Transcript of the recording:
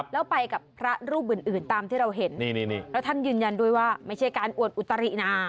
แล้วไปกับพระรูปอื่นตามที่เราเห็นแล้วท่านยืนยันด้วยว่าไม่ใช่การอวดอุตรินะ